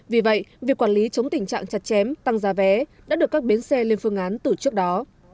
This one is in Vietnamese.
vì vậy việc quản lý chống tình trạng chặt chém tăng giá vé đã được các bến xe lên phương án từ trước đó